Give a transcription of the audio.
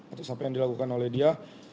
atas apa yang dilakukan oleh dia